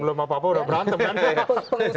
belum apa apa udah berantem kan